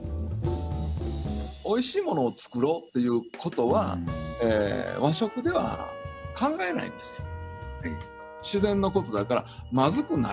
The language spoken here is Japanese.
おいしいものを作ろうということは和食では考えないんですよ。